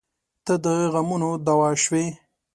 • ته د غمونو دوا شوې.